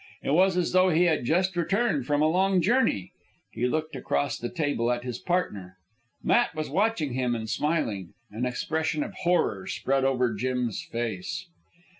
It was as though he had just returned from a long journey. He looked across the table at his partner. Matt was watching him and smiling. An expression of horror spread over Jim's face.